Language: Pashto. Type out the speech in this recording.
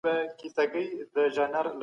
ایډیالوژیک تحریف د تاریخ لویه وژنه ده.